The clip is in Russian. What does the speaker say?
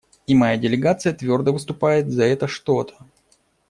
И моя делегация твердо выступает за это что-то.